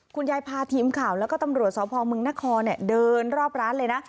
คุณยายพาทีมข่าวแล้วก็ตำรวจสพมนครเดินรอบร้านเลยนะ